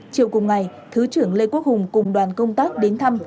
chiều cùng ngày thứ trưởng lê quốc hùng cùng đoàn công tác đến thăm